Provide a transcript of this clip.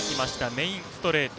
メインストレート。